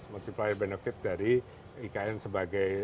multiplier benefit dari ikn sebagai